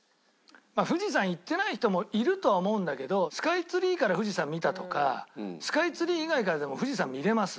富士山行ってない人もいるとは思うんだけどスカイツリーから富士山見たとかスカイツリー以外からでも富士山見れます。